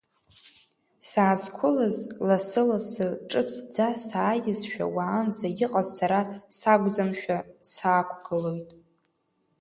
Саазқәылаз, лассы-лассы, ҿыцӡа сааизшәа, уаанӡа иҟаз сара сакәӡамшәа саақәгылоит.